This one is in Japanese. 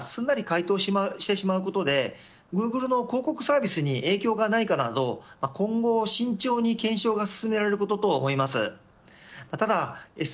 また調べたことをＡＩがすんなり回答してしまうことでグーグルの広告サービスに影響がないかなど今後、慎重に検証が進められることと思います。